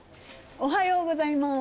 おはようございます。